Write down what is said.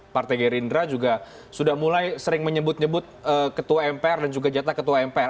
partai gerindra juga sudah mulai sering menyebut nyebut ketua mpr dan juga jatah ketua mpr